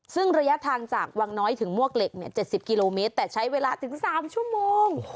ซึ่งระยะทางจากวังน้อยถึงมวกเหล็ก๗๐กิโลเมตรแต่ใช้เวลาถึง๓ชั่วโมง